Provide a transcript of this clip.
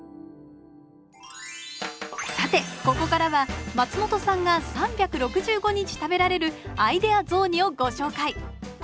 さてここからは松本さんが３６５日食べられるアイデア雑煮をご紹介。